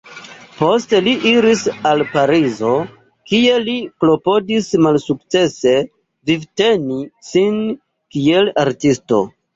Poste li iris al Parizo, kie li klopodis malsukcese vivteni sin kiel artisto.